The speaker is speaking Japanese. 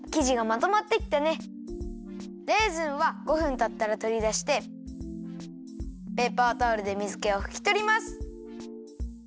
レーズンは５分たったらとりだしてペーパータオルでみずけをふきとります。